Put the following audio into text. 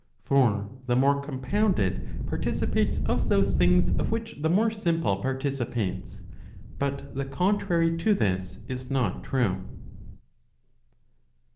For the more compounded participates of those things of which the more simple participates, but the contrary to this is not true.